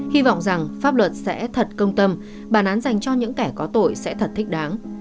hy vọng rằng pháp luật sẽ thật công tâm bản án dành cho những kẻ có tội sẽ thật thích đáng